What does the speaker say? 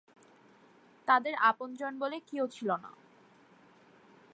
তাঁদের আপন জন বলে কেউ ছিল না।